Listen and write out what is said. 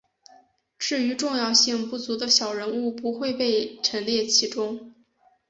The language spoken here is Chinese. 至于重要性不足的小人物不会被陈列其中。